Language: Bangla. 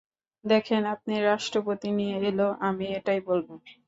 দেখেন, আপনি রাষ্ট্রপতি নিয়ে এলেও আমি এটাই বলবো।